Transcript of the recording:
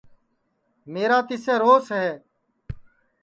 میرا تِسسے روس ہے